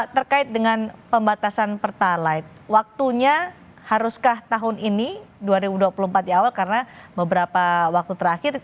terkait dengan pembatasan pertalite waktunya haruskah tahun ini dua ribu dua puluh empat di awal karena beberapa waktu terakhir